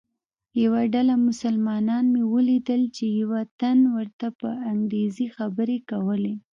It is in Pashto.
یوه ډله مسلمانان مې ولیدل چې یوه تن ورته په انګریزي خبرې کولې.